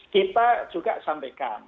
kita juga sampaikan